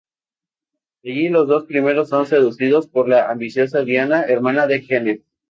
Allí los dos primeros son seducidos por la ambiciosa Diana, hermana de Kenneth.